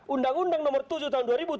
undang undang nomor tujuh tahun dua ribu tujuh